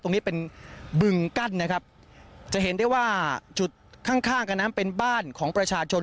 ตรงนี้เป็นบึงกั้นนะครับจะเห็นได้ว่าจุดข้างข้างกันนั้นเป็นบ้านของประชาชน